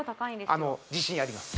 あの自信あります